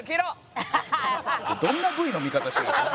どんなＶの見方してるんですか？